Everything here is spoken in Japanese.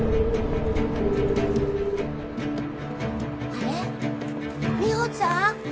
あれ美穂ちゃん？